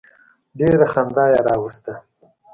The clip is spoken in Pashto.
ډېره خندا یې راوسته.